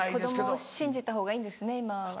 子供を信じたほうがいいんですねそろそろ。